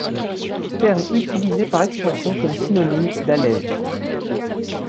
Terme utilisé par extension comme synonyme d’allège.